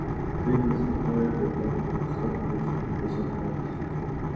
The triggers are played by tapping or slapping with the fingers or hands.